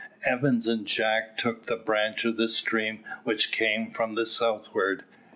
Evans and Jack took the branch of the stream which came from the southward.